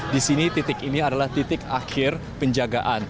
di sini titik ini adalah titik akhir penjagaan